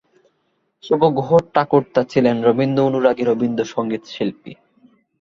শুভ গুহঠাকুরতা ছিলেন রবীন্দ্র অনুরাগী রবীন্দ্র সঙ্গীত শিল্পী।